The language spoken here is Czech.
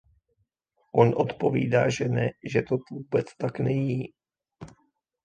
On odpovídá, že ne, že to vůbec tak není.